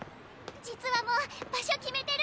実はもう場所決めてるんだ！